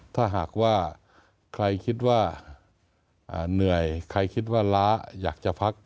ถ้าหากว่าใครคิดว่าเหนื่อยใครคิดว่าล้าอยากจะพัก